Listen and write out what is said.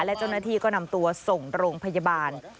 และเจ้าหน้าที่ก็นำตัวส่งโรงพยาบาล